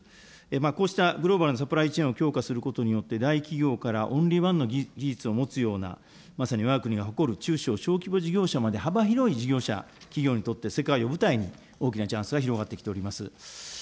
こうしたグローバルなサプライチェーンをすることによって、大企業からオンリーワンの技術を誇るような、まさにわが国が誇る中小、小規模事業者にとって、幅広い事業者、企業にとって世界を舞台に大きなチャンスが広がってきております。